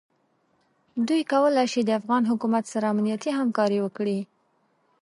دوی کولای شي د افغان حکومت سره امنیتي همکاري وکړي.